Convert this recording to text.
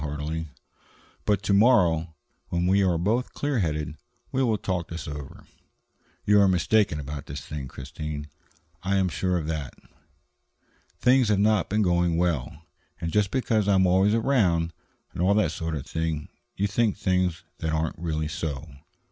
heartily. "But to morrow, when we are both clear headed, we will talk this over. You are mistaken about this thing, Christine; I am sure of that. Things have not been going well, and just because I am always around, and all that sort of thing, you think things that aren't really so.